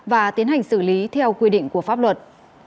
và tiến hành xử lý theo quy định của pháp luật